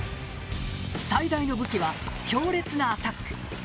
最大の武器は強烈なアタック。